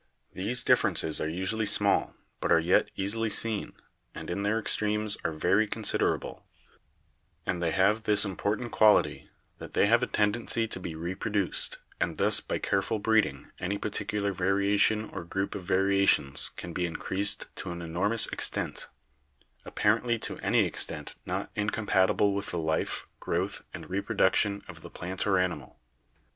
These differences are usually small, but are yet easily seen, and in their extremes are very considerable; and they have this important qual ity, that they have a tendency to be reproduced, and thus by careful breeding any particular variation or group of variations can be increased to an enormous extent — appar ently to any extent not incompatible with the life, growth and reproduction of the plant or animal.